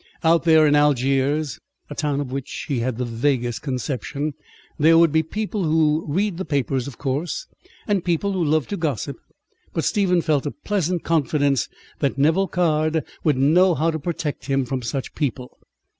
Out there in Algiers, a town of which he had the vaguest conception, there would be people who read the papers, of course, and people who loved to gossip; but Stephen felt a pleasant confidence that Nevill Caird would know how to protect him from such people.